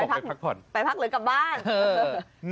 ไปพักหรือกลับบ้าน